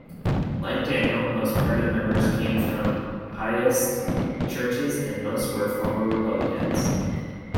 Like Daniel, most party members came from pietist churches, and most were former Republicans.